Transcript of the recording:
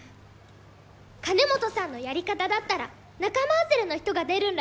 金本さんのやり方だったら仲間外れの人が出るんらよ。